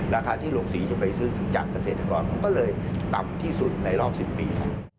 ราคาที่ลงสีจะไปซื้อจากเกษตรกรก็เลยต่ำที่สุดในรอบ๑๐ปี